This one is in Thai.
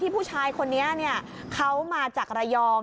ที่ผู้ชายคนนี้เค้ามาจากรยอง